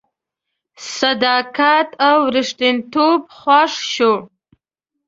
صداقت او ریښتینتوب خوښ شو.